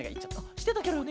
してたケロよね。